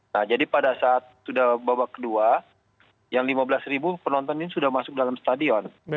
nah jadi pada saat sudah babak kedua yang lima belas ribu penonton ini sudah masuk dalam stadion